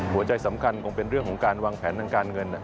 หัวใจสำคัญคงเป็นเรื่องของการวางแผนทางการเงิน